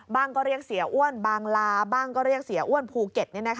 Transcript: ก็เรียกเสียอ้วนบางลาบ้างก็เรียกเสียอ้วนภูเก็ต